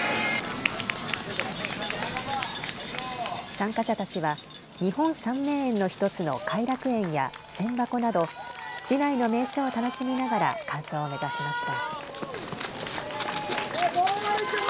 参加者たちは日本三名園の１つの偕楽園や千波湖など市内の名所を楽しみながら完走を目指しました。